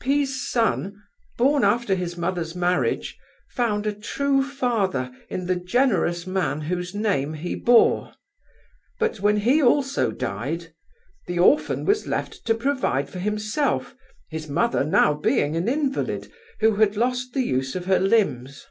P——'s son, born after his mother's marriage, found a true father in the generous man whose name he bore. But when he also died, the orphan was left to provide for himself, his mother now being an invalid who had lost the use of her limbs.